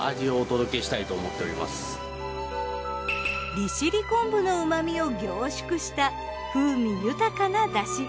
利尻昆布の旨みを凝縮した風味豊かな出汁。